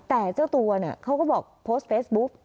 แต่เจ้าตัวเขาก็บอกโพสต์เฟซบุ๊ก